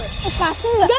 eh pasti gak